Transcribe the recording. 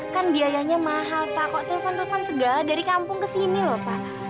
kan biayanya mahal pak kok telpon telpon segala dari kampung ke sini lho pak